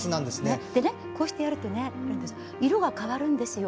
こうしてやると色が変わるんですよ。